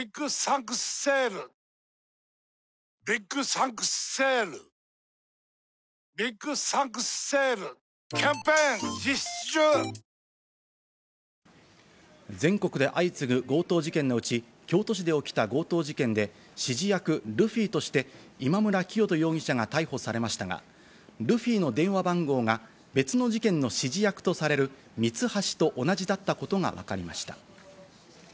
サントリー全国で相次ぐ強盗事件のうち、京都市で起きた強盗事件で、指示役ルフィとして今村磨人容疑者が逮捕されましたが、ルフィの電話番号が別の事件の指示役とされるミツハシと同じだったことがわかりました。